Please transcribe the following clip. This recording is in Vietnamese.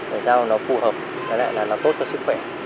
tại sao mà nó phù hợp và lại là nó tốt cho sức khỏe